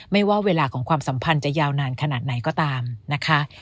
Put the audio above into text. ว่าเวลาของความสัมพันธ์จะยาวนานขนาดไหนก็ตามนะคะ